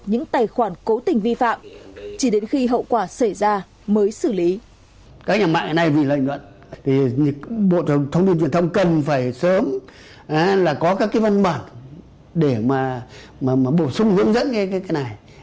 những tài khoản cố tình vi phạm chỉ đến khi hậu quả xảy ra mới xử lý